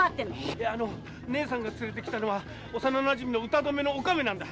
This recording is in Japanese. いや義姉さんが連れてきたのは幼なじみの「歌止めのお亀」なんだ！